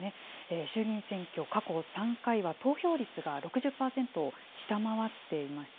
衆議院選挙、過去３回は投票率が６０％を下回っていました。